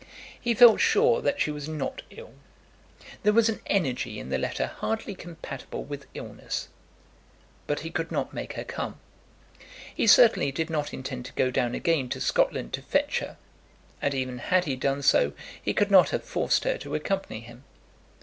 He felt sure that she was not ill. There was an energy in the letter hardly compatible with illness. But he could not make her come. He certainly did not intend to go down again to Scotland to fetch her, and even had he done so he could not have forced her to accompany him.